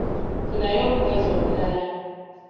Funayo omukazi omulala.